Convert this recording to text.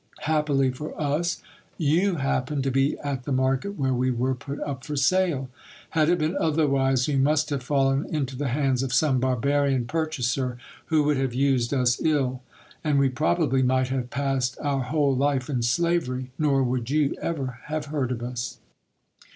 Happily for us, you happened to be at the market where we were put up for sale. Had it been otherwise, we must have fallen into the hands of some barbarian purchaser, who would have used us ill ; and we probably might have passed our whole life in slavery, nor would you ever have heard of us.